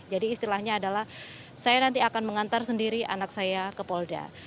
jadi istilahnya adalah saya nanti akan mengantar sendiri anak saya ke polda